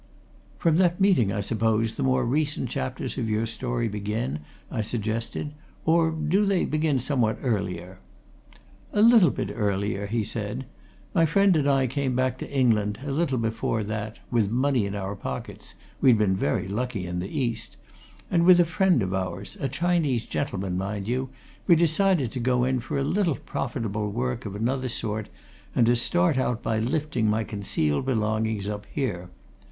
"From that meeting, I suppose, the more recent chapters of your story begin?" I suggested. "Or do they begin somewhat earlier?" "A bit earlier," he said. "My friend and I came back to England a little before that with money in our pockets we'd been very lucky in the East and with a friend of ours, a Chinese gentleman, mind you, we decided to go in for a little profitable work of another sort, and to start out by lifting my concealed belongings up here.